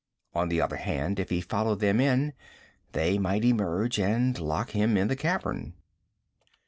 On the other hand, if he followed them in, they might emerge and lock him in the cavern.